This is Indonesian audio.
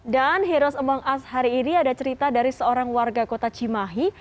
dan heroes among us hari ini ada cerita dari seorang warga kota cimahi